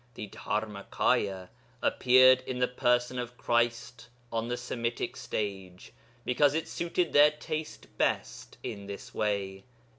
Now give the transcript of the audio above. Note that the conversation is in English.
The Dharmakâya appeared in the person of Christ on the Semitic stage, because it suited their taste best in this way.'